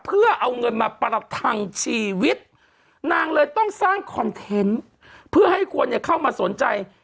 เพื่อเอาเงินมาประทังชีวิตนางเลยต้องสร้างคอนเทนต์เพื่อให้คนเนี่ยเข้ามาสนใจ